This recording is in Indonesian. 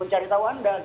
mencari tahu anda gitu